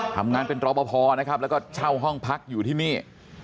ทำงานเป็นรอปภนะครับแล้วก็เช่าห้องพักอยู่ที่นี่